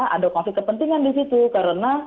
ada konflik kepentingan di situ karena